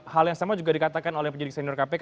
hal yang sama juga dikatakan oleh penyidik senior kpk